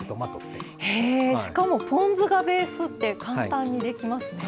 へえしかもポン酢がベースって簡単にできますね。